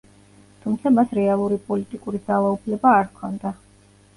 თუმცა მას რეალური პოლიტიკური ძალაუფლება არ ჰქონდა.